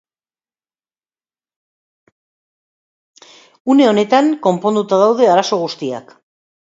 Une honetan, konponduta daude arazo guztiak.